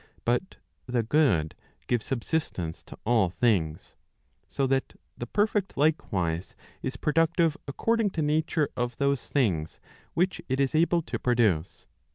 But the good gives subsistence to all things. So that the perfect likewise, is productive according to nature of those things which it is able to produce.